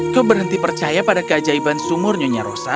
kau berhenti percaya pada keajaiban sumur nyonya rosa